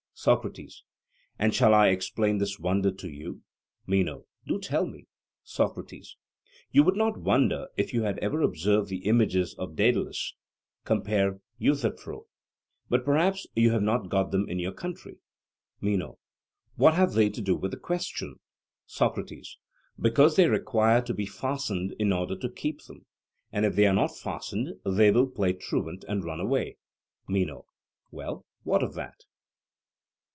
SOCRATES: And shall I explain this wonder to you? MENO: Do tell me. SOCRATES: You would not wonder if you had ever observed the images of Daedalus (Compare Euthyphro); but perhaps you have not got them in your country? MENO: What have they to do with the question? SOCRATES: Because they require to be fastened in order to keep them, and if they are not fastened they will play truant and run away. MENO: Well, what of that?